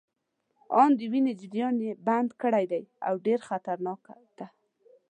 آن د وینې جریان يې بند کړی دی، دا ډیره خطرناکه ده.